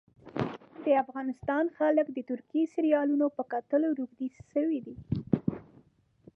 د افغانستان خلک د ترکي سیریالونو په کتلو روږدي سوي دي